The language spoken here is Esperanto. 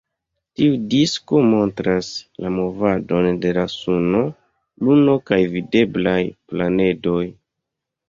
Tiu disko montras la movadon de la suno, luno kaj videblaj planedoj.